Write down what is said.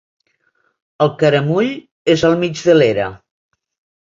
El caramull és al mig de l'era.